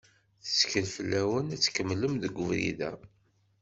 Tettkel fell-awen ad tkemlem deg ubrid-a.